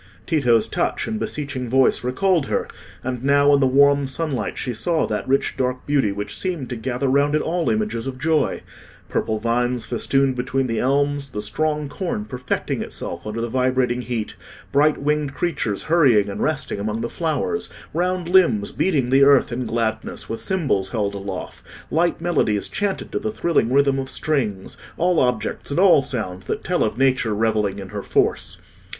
Tito's touch and beseeching voice recalled her; and now in the warm sunlight she saw that rich dark beauty which seemed to gather round it all images of joy—purple vines festooned between the elms, the strong corn perfecting itself under the vibrating heat, bright winged creatures hurrying and resting among the flowers, round limbs beating the earth in gladness with cymbals held aloft, light melodies chanted to the thrilling rhythm of strings—all objects and all sounds that tell of Nature revelling in her force.